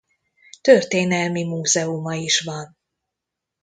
Történelmi múzeuma is van.